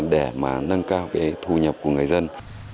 để mà nâng cao cái thu nhập của người dân